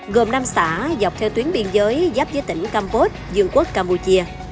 gồm năm xã dọc theo tuyến biên giới giáp với tỉnh campot dương quốc campuchia